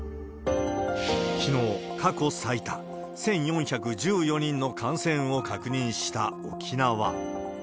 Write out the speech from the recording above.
きのう、過去最多１４１４人の感染を確認した沖縄。